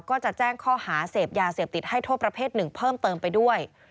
ก็จะแจ้งข้อหาเสพยาเสพติดให้โทษประเภทหนึ่งเพิ่มเติมไปด้วย